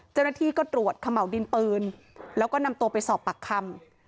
เจ้าหน้าที่ก็ตรวจเขม่าวดินปืนแล้วก็นำตัวไปสอบปากคำ